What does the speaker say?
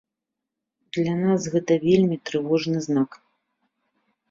Для нас гэта вельмі трывожны знак.